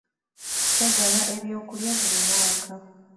Bagaba ebyokulya buli mwaka.